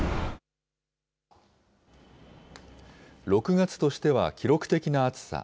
６月としては記録的な暑さ。